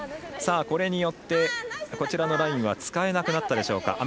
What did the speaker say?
これによってこちらのラインは使えなくなったでしょうか。